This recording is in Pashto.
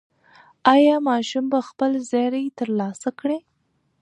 ایا ماشوم به خپل زېری ترلاسه کړي؟